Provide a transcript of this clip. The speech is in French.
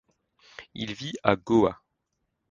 Il vit à Goa.